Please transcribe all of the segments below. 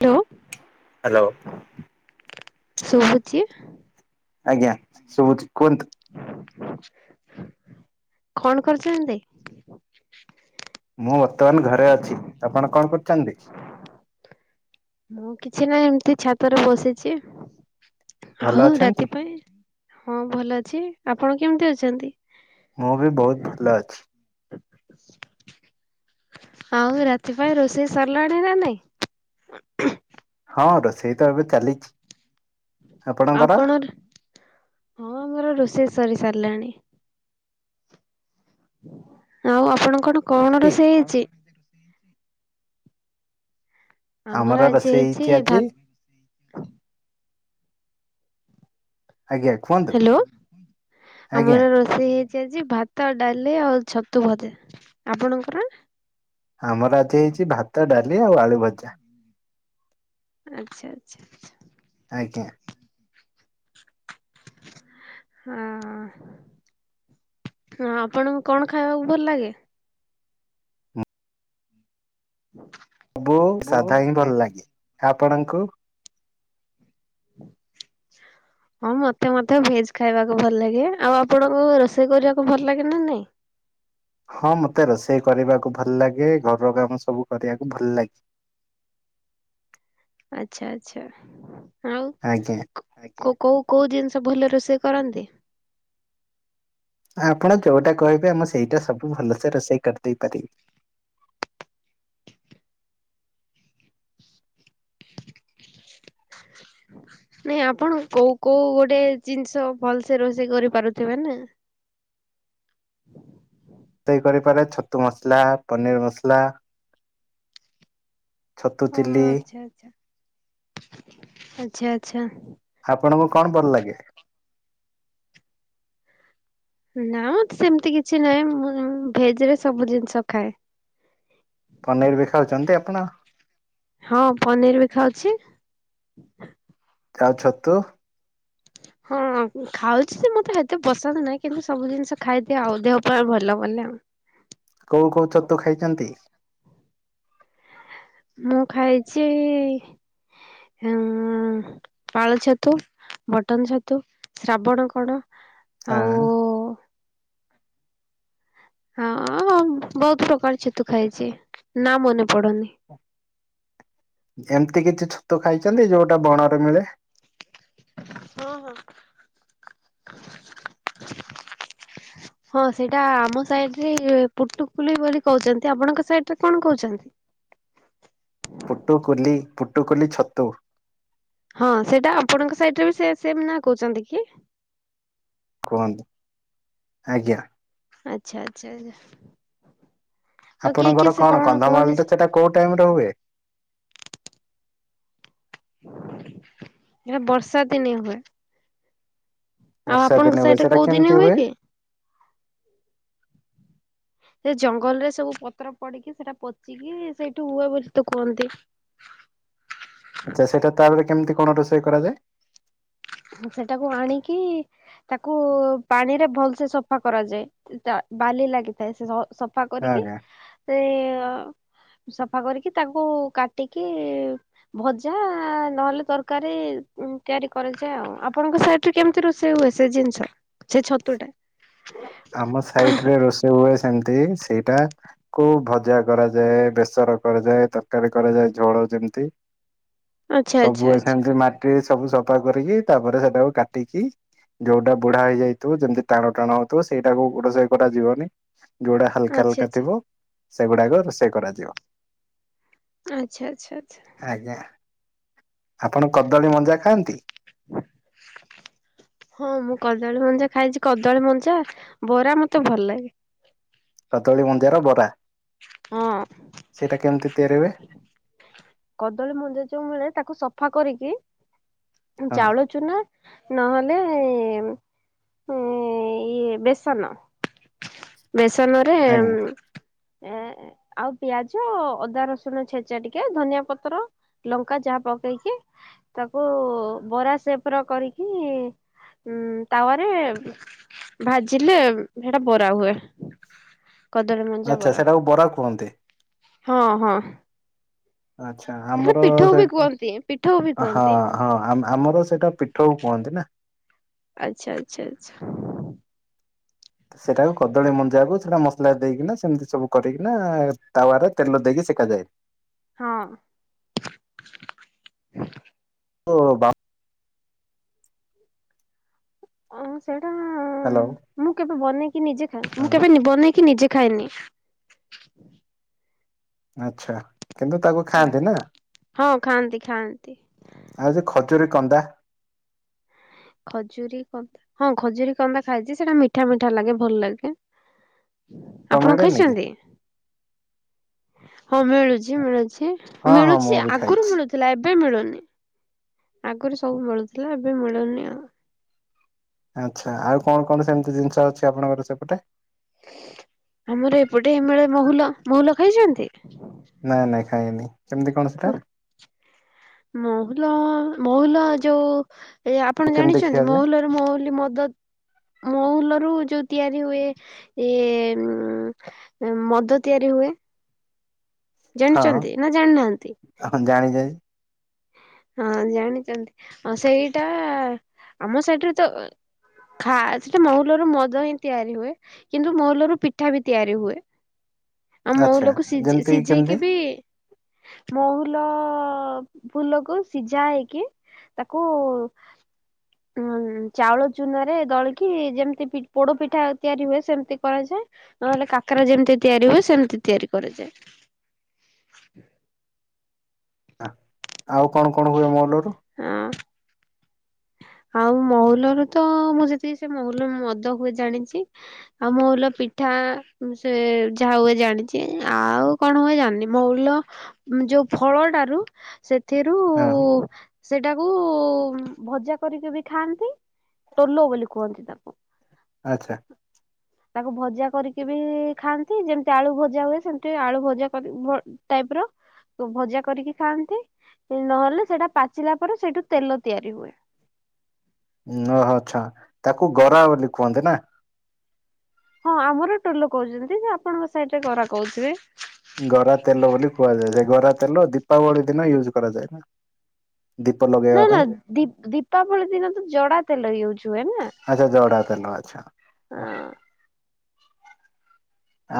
Hello hello. ଶୁଭୁଛି? ଆଜ୍ଞା ଶୁଭୁଛି କୁହନ୍ତୁ? କଣ କରୁଛନ୍ତି? ମୁଁ ବର୍ତ୍ତମାନ ଘରେ ଅଛି ଆପଣ କଣ କରୁଛନ୍ତି? ମୁଁ କିଛି ନାହିଁ ଏମିତି ଛାତରେ ବସିଛି ଭଲ ହଉ ଅଛନ୍ତି ରାତି ପାଇଁ ହଁ ଭଲ ଅଛି ଆପଣ କେମିତି ଅଛନ୍ତି? ମୁଁ ବି ବହୁତ ଭଲ ଅଛି। ଆଉ ରାତି ପାଇଁ ରୋଷେଇ ସରିଲାଣି ନା ନାଇଁ? ହଁ ରୋଷେଇତ ଏବେ ଚାଲିଚି ଆଉ କଣରେ ହଁ ଆମର ରୋଷେଇ ସରି ସାରିଲାଣି ଆଉ ଆପଣଙ୍କର କଣ ରୋଷେଇ ହେଇଚି? ଆମର ଆଜି ରୋଷେଇ ହେଇଛି ହେଇଚି ଭା ଆଜି ଆଜ୍ଞା କୁହନ୍ତୁ? ହାଲୋ ଆଜ୍ଞା ଆମର ରୋ ରୋସେଇ ହେଇଛି ଆଜି ଭାତ ଡାଲି ଆଉ ଛତୁ ଭଜା ଆପଣଙ୍କର ଆମର ଆଜି ହେଇଛି ଭାତ ଡାଲି ଆଉ ଆଳୁଭଜା ଆଛା ଆଛା ଆଛା। ଆଜ୍ଞା। ହଁ। ହଁ ଆପଣଙ୍କୁ କଣ ଖାଇବାକୁ ଭଲଲାଗେ? [unintelligible] ବୋହୁତୁ ସାଧା ହିଁ ଭଲ ଲାଗେ ଆପଣଙ୍କୁ? [unintelligible] ହଁ ମତେ ମତେ ଭେଜ ଖାଇବାକୁ ଭଲଲାଗେ ଆଉ ଆପଣଙ୍କୁ ରୋଷେଇ କରିବାକୁ ଭଲଲାଗେନା ନାଇଁ? ହଁ ମତେ ରୋଷେଇ କରିବାକୁ ଭଲଲାଗେ ଘରକାମ ସବୁ କରିବାକୁ ଭଲଲାଗେ। ଆଛା ଆଛା ଆଉ ଆଜ୍ଞା। କୋଉ କୋଉ କୋଉଜିନିଷ ଭଲ ରୋଷେଇ କରନ୍ତି? ଆପଣ ଯୋଉଟା କହିବେ ଆମ ସେଇଟା ସବୁ ଭଲସେ ରୋଷେଇ କରିଦେଇ ପାରିବି? [unintelligible] ନାଇଁ ଆପଣ କୋଉ କୋଉ ଗୋଟେ ଜିନିଷ ଭଲସେ ରୋଷେଇ କରିପାରୁଥିବେନା? [unintelligible] ରୋଷେଇ କରିପାରେ ଛତୁ ମସଲା ପନିର ମସଲା। ଛତୁ ଚିଲ୍ଲି ଆଛା ଆଛା ଆଛା ଆଛା। ଆପଣଙ୍କୁ କଣ ଭଲଲାଗେ? ନାମ ସେମିତି କିଛି ନାହିଁ ମୁଁ ଭେଜରେ ସବୁ ଜିନିଷ ଖାଏ-। ପନିରିବି ଖାଉଛନ୍ତି ଆପଣ? ହଁ ପନିରିବି ଖାଉଛି। ଆଉ ଛତୁ? ହଁ ହଁ ଖାଉଛିଯେ ମତେ ଏତେ ପସନ୍ଦ ନାହିଁ କିନ୍ତୁ ସବୁ ଜିନିଷ ଖାଇଦିଏ ଆଉ ଦେହ ପାଇଁ ଭଲ ବୋଲି। କୋଉ କୋଉ ଛତୁ ଖାଇଛନ୍ତି? ମୁଁ ଖାଇଚି ହେ ଉଁ ଉଁ ପାଳ ଛତୁ ବଟନ ଛତୁ ଶ୍ରାବଣ କଣ ଆଉ ହଁ। ହଁ ହଁ ବହୁତ ବହୁତ ପ୍ରକାର ଛତୁ ଖାଇଛି ନା ମନେ ପଡୁନି। ଯେମିତି କିଛି ଛତୁ ଖାଇଛନ୍ତି ଯୋଉଟା ବଣରେ ମିଳେ? ହଁ ହଁ। ହଁ ସେଇଟା ଆମ ସାଇଟିରେ ପୁଟୁକୁଲି ବୋଲି କହୁଛନ୍ତି। ଆପଣଙ୍କ ସାଇଟିରେ କଣ କହୁଛନ୍ତି? ପୁଟୁକୁଲି ପୁଟୁକୁଲି ଛତୁ। ହଁ ସେଇଟା ଆପଣଙ୍କ ସାଇଟିରେ ବି ସେ ସେମ ନାଁ କହୁଛନ୍ତିକି? କୁହନ୍ତୁ ଆଜ୍ଞା। ଆଚ୍ଛା ଆଚ୍ଛା ଆଚ୍ଛା। ଆଉ କିଏ କିଏ ଆପଣଙ୍କର ସେ କଣ କୁହନ୍ତି କନ୍ଧମାଳରେ ସେଟା କୋଉ ଟାଇମିରେ ହୁଏ? ଏରା ବର୍ଷା ଦିନେ ହୁଏ। ଆଉ ବର୍ଷା ଆପଣଙ୍କ ଦିନେ ହୁଏ ସାଇଟିରେ ସେଟା କୋଉ କେମିତି ଦିନି ହୁଏ ହୁଏକି? ସେ ଜଙ୍ଗଲରେ ସବୁ ପତ୍ର ପଡିକି ସେଇଟା ପଚିକି ସେଇଠୁ ହୁଏ ବୋଲିତ କୁହନ୍ତି। [inaudible] ଆଚ୍ଛା ସେଇଟା ତାପରେ କେମିତି କଣ ରୋଷେଇ କରାଯାଏ? ସେଟାକୁ ଆଣିକି ତାକୁ ପାଣିରେ ଭଲସେ ସଫା କରାଯାଏ। ତା ବାଲି ଲାଗିଥାଏ ସେ ସୋ ସଫା କରିକି ଆଜ୍ଞା ସେଇ ଆ ସଫା କରିକି ତାକୁ କାଟିକି ଭଜା ନହେଲେ ତରକାରୀ ତିଆରି କରାଯ ଯାଏ ଆଉ ଆପଣଙ୍କ ସାଇଟ୍ କେମିତି ରୋଷେଇ ହୁଏ ସେ ଜିନିଷ? ସେଇ ଛତୁଟା। ଆମ ସାଇଟରେ ରୋଷେଇ ହୁଏ ସେମିତି ସେଇଟା। କୁ ଭଜା କରାଯାଏ ବେସର କରାଯାଏ ତରକାରୀ କରାଯାଏ ଝୋଳ ଯେମିତି। ଆଚ୍ଛା ଆଚ୍ଛା ସବୁ ଆଚ୍ଛା ଏସଙ୍ଗେ ମାର ସବୁ ସଫା କରିକି ତାପରେ ସେଟାକୁ କାଟିକି ଯୋଉଟା ବୁଢା ହେଇଯାଇ ଯେମିତି ତାର ଟାଣା ହଉଥିବ ସେଇଟାକୁ ଗୋଟେ ସାଇଟ୍ କରାଯିବନି। ଯୋଉଟା ଆଚ୍ଛା ହାଲକା ଆଚ୍ଛା ହାକା ଥିବ ସେଗୁଡାକ ରୋଷେଇ କରାଯିବ ଆଚ୍ଛା ଆଚ୍ଛା ଆଚ୍ଛା। ଆଜ୍ଞା। ଆପଣ କଦଳୀ ମଞ୍ଜା ଖାଆନ୍ତି? ହଁ ମୁଁ କଦଳୀ ମଞ୍ଜା ଖାଇଛି। କଦଳୀ ମଞ୍ଜା ବରା ମତେ ଭଲ ଲାଗେ। କଦଳୀ ମଞ୍ଜାର ବରା। ହଁ। ସେଇଟା କେମିତି ତିଆରି ହୁଏ? କଦଳୀ ମଞ୍ଜା ଯୋଉ ମିଳେ ତାକୁ ସଫା କରିକି ହଁ ଚାଉଳ ଚୁନା ନହେଲେ ଇଏ ବେସନ। ବେସନରେ ଏ ଆଜ୍ଞା ଉଁ ଏ ଆଉ ପିଆଜ ଅଦା ରସୁଣ ଛେଚା ଟିକେ ଧନିଆ ପତ୍ର। ଲଙ୍କା ଯାହା ପକେଇକି ତାକୁ ବରା ସେପ ର କରିକି ଉଁ ତାୱାରେ ଭାଜିଲେ ହେଟା ବରା ହୁଏ। କଦଳୀ ମଞ୍ଜା ଆଚ୍ଛା ବରା ସେଟାକୁ କୁହନ୍ତି ହଁ ହଁ। ଆଚ୍ଛା ସେଟା ଆମର ପିଠଉ ବି ସେଠ କୁହନ୍ତି ପିଠଉ ବି ହଁ। କୁହନ୍ତି ହଁ ଆ-ଆ-ଆମର ସେଇଟା ପୀଠଉ କୁହନ୍ତି ନା। ଆଚ୍ଛା ଆଚ୍ଛା ଆଚ୍ଛା। ସେଟାକୁ କଦଳୀ ମଞ୍ଜାକୁ ସେଟା ମସଲା ଦେଇକିନା ସେମିତି ସବୁ କରିକିନା ତାୱାରେ ତେଲ ଦେଇକି ସେଖାଯାଏ। ହଁ। ଓ ବା ଅଁ ସେଟା ହାଲୋ। ମୁଁ କେବେ ବନେଇକି ନିଜେ ଖା ମୁଁ କେବେ ବନେଇକି ନିଜେ ଖାଏନି। ଆଛା କିନ୍ତୁ ତାକୁ ଖାଆନ୍ତି ନା। ହଁ ଖାଆନ୍ତି ଖାଆନ୍ତି। ଆଉ ସେ ଖଜୁରୀ କନ୍ଦା। ଖଜୁରୀ କନ୍ଦା ହଁ ଖଜୁରୀ କନ୍ଦା ଖାଇଛି ସେଇଟା ମିଠା ମିଠା ଲାଗେ ଭଲ ଲାଗେ। ତମେ ଆପଣ ମିଳେନି କି? ଖାଇଛନ୍ତି ହଁ ମିଳୁ ମିଳୁଛି ମିଳୁଛି ହଁ ହଁ ମୁଁ ମିଳୁଛି ବି ଆଗରୁ ଖାଇଛି। ମିଳୁ ଥିଲା ଏବେ ମିଳୁନି ଆଗରୁ ସବୁ ମିଳୁଥିଲା ଏବେ ମିଳୁନି ଆଉ। ଆଚ୍ଛା ଆଉ କଣ କଣ ସେମିତି ଜିନିଷ ଅଛି ଆପଣଙ୍କର ସେପଟେ? ଆମର ଏପଟେ ମିଳେ ମହୁଲ ମହୁଲ ଖାଇଛନ୍ତି? ନାଇଁ ନାଇଁ ଖାଇନି କେମିତି କଣ ସେଟା ମହୁଲ ମହୁଲ ଯୋଉ। ଏ ଆପଣ କେମିତି ଜାଣିଛନ୍ତି ଖିଆଯାଏ? ମହୁଲରେ ମହୁଲି ମଦ ମହୁଲ ରୁ ଯୋଉ ତିଆରି ହୁଏ ଏ ମଦ ତିଆରି ହୁଏ। ହଁ ଜାଣିଚନ୍ତି ନା ଜାଣିନାହାନ୍ତି। ହଁ ଜାଣିଚି। ହଁ ଜାଣିଚନ୍ତି ଆଉ ସେଇଟା ଆମ ସାଇଟ୍ ରେ ତ। ଖା ସେଟା ମହୁଲ ର ମଦ ହିଁ ତିଆରି ହୁଏ କିନ୍ତୁ ମହୁଲ ରୁ ପିଠା ବି ତିଆରି ହୁଏ। ଆଉ ଆଚ୍ଛା ମହୁଲ କୁ ସିଜ୍ ଯେମିତି କେମିତି? ସିଝେଇକି ବି। ମହୁଲ ଫୁଲକୁ। ସିଝା ହେଇକି ତାକୁ। ଉଁ ଚାଉଳ ଚୁନା ରେ ଦଳିକି ଯେମିତି ପି ପୋଡ ପିଠା ତିଆରି ହୁଏ ସେମିତି କରାଯାଏ। ନହେଲେ କାକରା ଯେମିତି ତିଆରି ହୁଏ ସେମିତି ତିଆରି କରାଯାଏ। ଆଉ କଣ କଣ ହୁଏ ମହୁଲରୁ? ହଁ। ଆଉ ମହୁଲରୁ ତ ମୁଁ ଯେତିକି ସେ ମହୁଲ ରୁ ମଦ ହୁଏ ଜାଣିଚି। ଆଉ ମୋହୁଲ ପିଠା ସେ ଯାହା ହୁଏ ଜାଣିଚି ଆଉ। କଣ ହୁଏ ଜାଣିନି ମହୁଲ ଯୋଉ ଫଳଟାରୁ ସେଥିରୁ। ହଁ। କୁ ସେଟାକୁ ଉଂ ଭଜା। କରିକି ବି ଖାଆନ୍ତି ଟୋଲ ବୋଲି କୁହନ୍ତି ତାକୁ। ଆଚ୍ଛା। ହ [inaudible] ତାକୁ ଭଜା କରିକି ବି ଖାଆନ୍ତି ଯେମତି ଆଳୁ ଭଜା ହୁଏ ସେମତି ଆଳୁ ଭଜା କରି ବ ଟାଇପ୍ ର। ଭଜା କରିକି ଖାଆନ୍ତି ନହେଲେ ସେଟା ପାଚିଲା ପରେ ସେଠୁ ତେଲ ତିଆରି ହୁଏ। ଓହୋ ଆଛା ତାକୁ ଗରା ବୋଲି କୁହନ୍ତି ନା। ହଁ ଆମର ଟୋଲ କହୁଛନ୍ତି ଯେ ଆପଣଙ୍କ ସାଇଟ୍ ରେ ଗରା କହୁଥିବେ। ଗରା ତେଲ ବୋଲି କୁହାଯାଏ ଯେ ଗରା ତେଲ ଦୀପାବଳି ଦିନ ୟୁଜ କରାଯାଏ ନା। ଦୀପ ନା ଲଗେଇବା ନା ପାଇଁ ଦି ଦୀପାବଳି ଦିନ ତ ଜଡା ତେଲ ୟୁଜ ହୁଏ ନା। ଆଚ୍ଛା ଜଡ଼ା ତେଲ ଆଛା।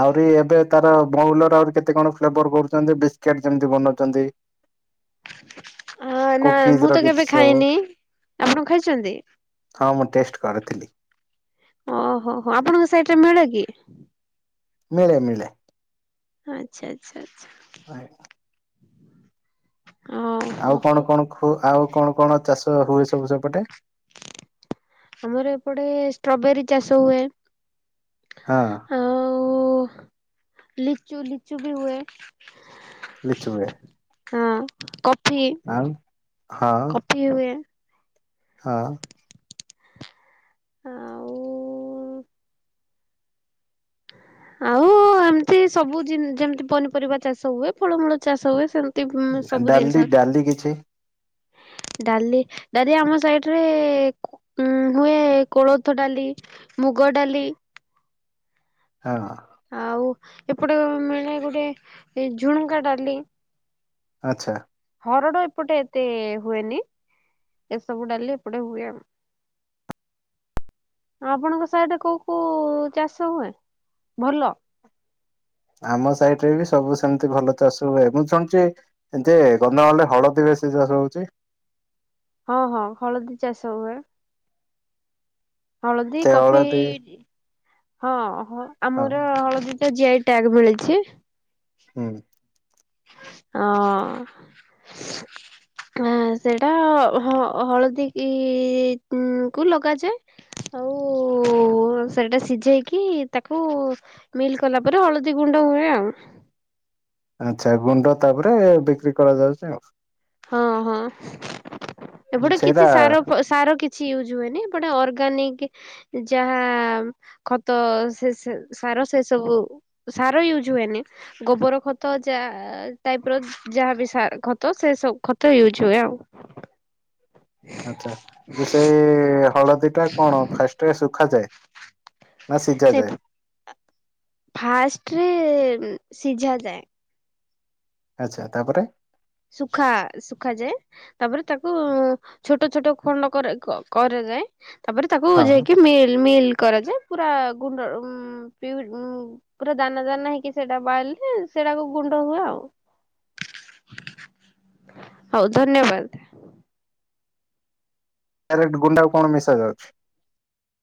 ଆହୁରି ଏବେ ତାର ବଉଲର ଆହୁରି କେତେ କଣ ଫ୍ଲେବର୍ କରୁଛନ୍ତି ବିସ୍କିଟ୍ ଯେମତି ବନଉଛନ୍ତି। ହଁ ନା କୁକିଜ ମୁଁ ର ତ କିଛି କେବେ ସବୁ ଖାଇନି ଆପଣ ଖାଇଛନ୍ତି? ହଁ ମୁଁ ଟେଷ୍ଟ କରିଥିଲି। ଓହୋ ହୋ ଆପଣଙ୍କ ସାଇଟ୍ ରେ ମିଳେ କି? ମିଳେ ମିଳେ। ଆଚ୍ଛା ଆଚ୍ଛା ଆଛା। ନାଇଁ। ଓହୋ ଆଉ କଣ କଣ ଖୁ ଆଉ କଣ କଣ ଚାଷ ହୁଏ ସବୁ ସେପଟେ? ଆମର ଏପଟେ ଷ୍ଟ୍ରବେରୀ ଚାଷ ହୁଏ। ହଁ। ଆଉ ଲିଚୁ ଲିଚୁ ବି ହୁଏ। ଲିଚୁ ହୁଏ। ହଁ କଫି ଆଉ ହଁ କଫି ହୁଏ। ହଁ। ଆଉ ଆଉ ଏମିତି ସବୁ ଜିନ୍ ଯେମିତି ପନିପରିବା ଚାଷ ହୁଏ ଫଳମୂଳ ଚାଷ ହୁଏ ସେମିତି ସେମିତି ସବୁ ଡାଲି ଜିନିଷ ଡାଲି କିଛି ଡାଲି ଡାଲି ଆମ ସାଇଡ ରେ ହୁଏ କୋଳଥ ଡାଲି। ମୁଗଡାଲି। ହଁ। ଆଉ ଏପଟେ ମିଳେ ଗୋଟେ ଏ ଝୁଣକା ଡାଲି। ଆଚ୍ଛା। ହରଡ ଏପଟେ ଏତେ ହୁଏନି। ଏସବୁ ଡାଲି ଏପଟେ ହୁଏ ଆଉ। ଆପଣଙ୍କ ସାହିଡ କୋଉ କୋଉ ଚାଷ ହୁଏ ଭଲ? ଆମ ସାଇଡରେ ବି ସବୁ ସେମିତି ଭଲ ଚାଷ ହୁଏ ମୁଁ ଶୁଣିଛି ଏତି ଗନ୍ଧାଳରେ ହଳଦୀ ବେଶୀ ଚାଷ ହଉଛି। ହଁ ହଁ ହଳଦୀ ଚାଷ ହୁଏ। ହଳଦୀ ସେ କଫି ହଳଦୀ ହଁ ହଁ ଆମର ହଳଦୀ ତ ଜି ଟ୍ୟାଗ ମିଳିଛି। ହୁଁ। ହଁ। ଆ ସେଇଟା ହ ହଳଦୀକୁ ଲଗାଯାଏ। ଆଉ ସେଟା ସିଝେଇକି ତାକୁ ମିଲ୍ କଲା ପରେ ହଳଦୀ ଗୁଣ୍ଡ ହୁଏ ଆଉ। ଆଛା ଗୁଣ୍ଡ ତାପରେ ବିକ୍ରି କରାଯାଉଛି ଆଉ ହଁ ହଁ ଏପଟେ କିଛି ସେଇଟା ସାର ସାର କିଛି କିଛି ୟୁଜ୍ ହୁଏନି ବଟ ଅର୍ଗାନିକ୍ ଯାହା ଖତ ସେ ସାର ସେ ସବୁ ସାର ୟୁଜୁ ହୁଏନି। ଗୋବର ଖତ ଯାହା ଟାଇପର ଯାହା ବି ଖତ ସେ ସୁ ଖତ ୟୁଜ୍ ହୁଏ ଆଉ। ଆଛା ଯେ ସେଇ ହଳଦୀ ଟା କଣ ଫାଷ୍ଟରେ ଶୁଖାଯାଏ। ନା ସିଝା ସେ ଯାଏ। ଫାଷ୍ଟରେ ସିଝା ଯାଏ। ଆଚ୍ଛା ତାପରେ ସୁଖା, ସୁଖାଯାଏ। ତାପରେ ତାକୁ ଛୋଟ ଛୋଟ ଖଣ୍ଡ କରା କରାଯାଏ। ତାପରେ ତାକୁ ହଁ ଯାଇକି ମିଲ୍ ମିଲ୍ କରାଯାଏ, ପୁରା ଗୁଣ୍ଡ ପିଉ ପୁରା ଦାନା ଦାନା ହେଇକି ସେଇଟା ବାହାରିଲେ, ସେଇଟାକୁ ଗୁଣ୍ଡ ହୁଏ ଆଉ। ହଉ ଧନ୍ୟବାଦ। ଡାଇରେକ୍ଟ ଗୁଣ୍ଡାକୁ କଣ ମିଶା ଯାଉଛି?